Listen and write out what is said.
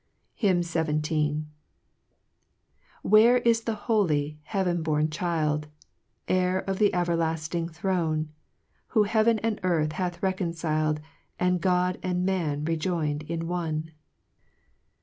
HYMN XVII. 1 HT17HKRE is the holy, hcaven boru Child, ▼ T Heir of the everlafting throne? Who heaven and earth hath reconcil'd, And God and man rc join'd in, one?